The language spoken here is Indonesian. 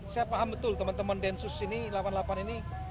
saya paham betul teman teman densus ini delapan puluh delapan ini